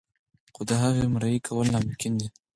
خو د هغه مريي کول ناممکن کوي.